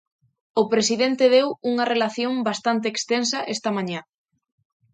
O presidente deu unha relación bastante extensa esta mañá.